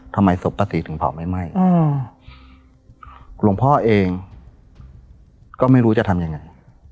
ทำไมสมปสีถึงเขาไม่ใหม่ลังผ่าเองก็ไม่รู้จะทำยังไง